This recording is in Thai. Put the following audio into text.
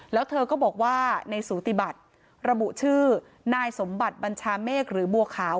แล้วเธอก็บอกว่าในสูติบัติระบุชื่อนายสมบัติบัญชาเมฆหรือบัวขาว